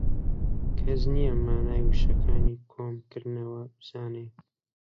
کەس نییە مانای وشەکانی کۆم کردوونەوە بزانێ